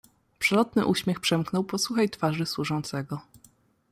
"Przelotny uśmiech przemknął po suchej twarzy służącego."